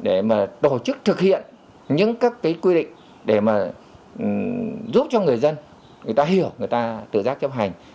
để tổ chức thực hiện những các quy định để giúp cho người dân hiểu người ta tự giác chấp hành